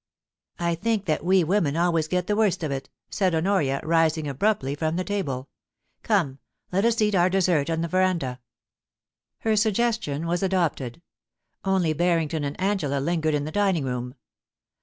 * I think that we women always get the worst of it,' said Honoria, rising abruptly from the table. ' Come, let us eat our dessert in the veranda.' Her suggestion was adopted ; only Barrington and Angela MUSIC IN THE VERANDA. 185 lingered in the dining room.